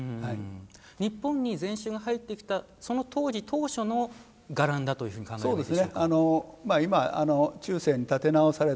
日本に禅宗が入ってきたその当時当初の伽藍だというふうに考えていいでしょうか。